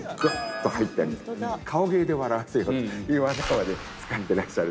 顔芸で笑わせようという技まで使ってらっしゃる。